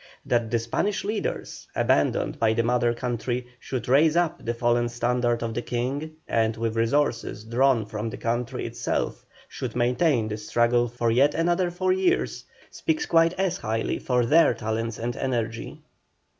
That the Spanish leaders, abandoned by the mother country, should raise up the fallen standard of the King, and with resources drawn from the country itself should maintain the struggle for yet another four years, speaks quite as highly for their talents and energy.